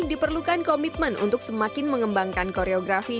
diperlukan komitmen untuk semakin mengembangkan koreografi